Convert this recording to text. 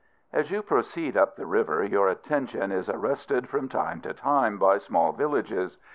As you proceed up the river, your attention is arrested, from time to time, by small villages.